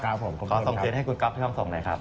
ขอส่งเชียร์ให้คุณกรัฟที่ต้องส่งนะครับ